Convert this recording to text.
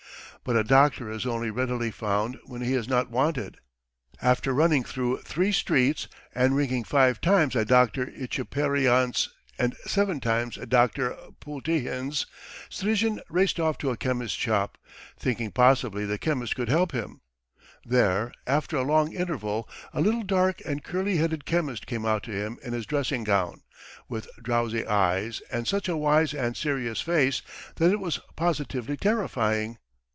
But a doctor is only readily found when he is not wanted. After running through three streets and ringing five times at Dr. Tchepharyants's, and seven times at Dr. Bultyhin's, Strizhin raced off to a chemist's shop, thinking possibly the chemist could help him. There, after a long interval, a little dark and curly headed chemist came out to him in his dressing gown, with drowsy eyes, and such a wise and serious face that it was positively terrifying.